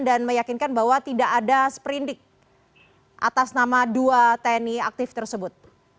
saya yakinkan bahwa tidak ada seprindik atas nama dua tni aktif tersebut